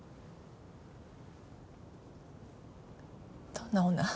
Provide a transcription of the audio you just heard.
どんな女？